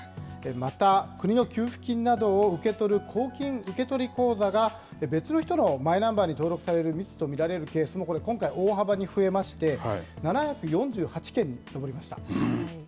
また、国の給付金などを受け取る公金受取口座が別の人のマイナンバーに登録されるミスと見られるケースもこれ、今回、大幅に増えまして、７４８件に上りました。